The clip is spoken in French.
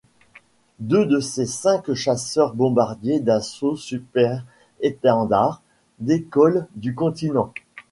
Deux de ses cinq chasseurs bombardiers Dassault Super-Étendard décollent du continent.